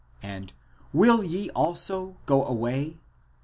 and Will ye also go away